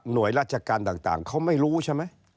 โดยราชการต่างเขาไม่รู้ใช่ไหม